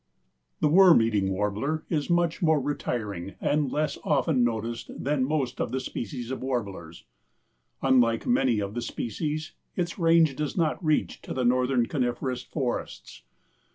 _) The Worm eating Warbler is much more retiring and less often noticed than most of the species of warblers. Unlike many of the species its range does not reach to the northern coniferous forests.